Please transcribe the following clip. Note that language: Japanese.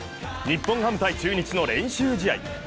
日本ハム×中日の練習試合。